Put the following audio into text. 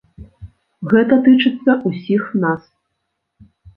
Гэта тычыцца ўсіх нас.